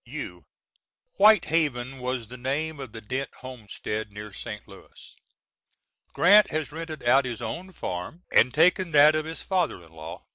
U. [White Haven was the name of the Dent homestead near St. Louis. Grant has rented out his own farm, and taken that of his father in law.